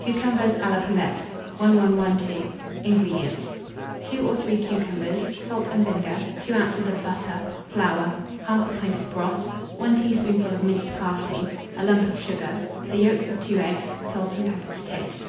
CUCUMBERS A LA POULETTE. 1112. INGREDIENTS. 2 or 3 cucumbers, salt and vinegar, 2 oz. of butter, flour, 1/2 pint of broth, 1 teaspoonful of minced parsley, a lump of sugar, the yolks of 2 eggs, salt and pepper to taste.